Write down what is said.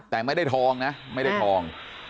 แต่ไม่ได้ทองนะไม่ได้ทอง